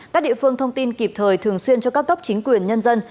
các địa phương thông tin kịp thời thường xuyên cho các cấp chính quyền nhân dân